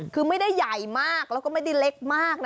คือไม่ได้ใหญ่มากแล้วก็ไม่ได้เล็กมากนะ